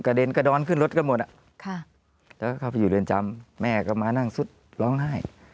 เด็นกระดอนขึ้นรถกันหมดแล้วเข้าไปอยู่เรือนจำแม่ก็มานั่งสุดร้องไห้